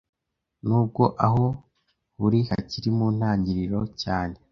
"Nubwo aho buri hakiri mu ntangiriro cyane,